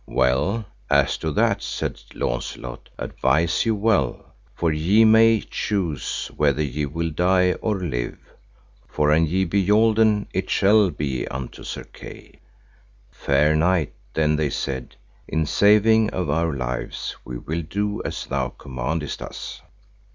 Well, as to that, said Launcelot, advise you well, for ye may choose whether ye will die or live, for an ye be yolden it shall be unto Sir Kay. Fair knight, then they said, in saving of our lives we will do as thou commandest us.